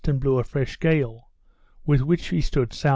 and blew a fresh gale, with which we stood S.E.